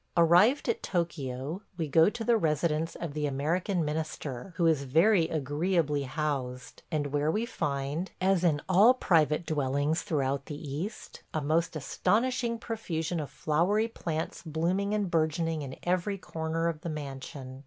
... Arrived at Tokio, we go to the residence of the American minister, who is very agreeably housed, and where we find – as in all private dwellings throughout the East – a most astonishing profusion of flowery plants blooming and bourgeoning in every corner of the mansion.